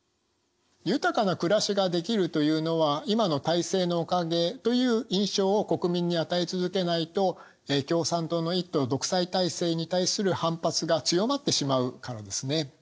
豊かな暮らしができるというのは今の体制のおかげという印象を国民に与え続けないと共産党の一党独裁体制に対する反発が強まってしまうからですね。